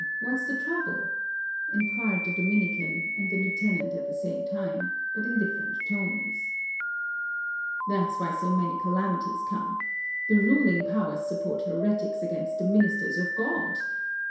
What's the trouble?" inquired the Dominican and the lieutenant at the same time, but in different tones. "That's why so many calamities come! The ruling powers support heretics against the ministers of God!"